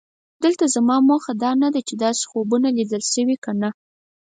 دلته زما موخه دا نه ده چې داسې خوبونه لیدل شوي او که نه.